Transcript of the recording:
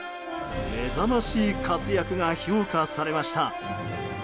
目覚ましい活躍が評価されました。